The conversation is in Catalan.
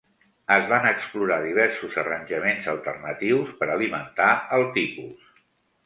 Es van explorar diversos arranjaments alternatius per alimentar el tipus.